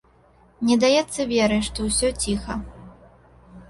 Не даецца веры, што ўсё ціха.